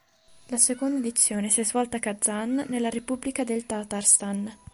La seconda edizione si è svolta a Kazan' nella repubblica del Tatarstan.